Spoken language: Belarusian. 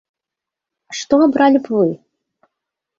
А што абралі б вы?